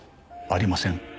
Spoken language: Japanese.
ありません。